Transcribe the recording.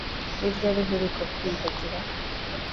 Ni ryari uheruka kwiyuhagira?